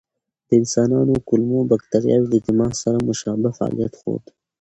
د انسانانو کولمو بکتریاوې د دماغ سره مشابه فعالیت ښود.